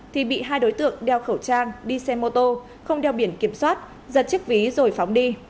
thì bị hai đối tượng đeo khẩu trang đi xe mô tô không đeo biển kiểm soát giật chiếc ví rồi phóng đi